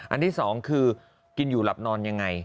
อันที่สองคือกินอยู่หลับนอนยังไง